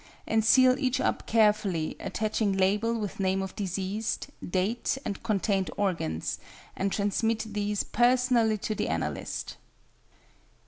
and seal each up carefully, attaching label with name of deceased, date, and contained organs, and transmit these personally to the analyst.